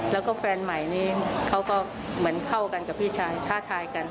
แล้วก็แฟนใหม่นี้เขาก็เหมือนเข้ากันกับพี่ชายท้าทายกัน